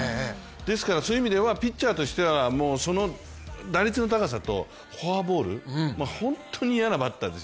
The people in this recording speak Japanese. ですからそういう意味ではピッチャーとしては、その打率の高さとフォアボール、本当に嫌なバッターですよ